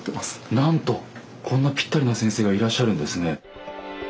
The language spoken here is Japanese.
なんとこんなぴったりな先生がいらっしゃるんですね。